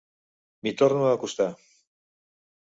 M'hi torno a acostar.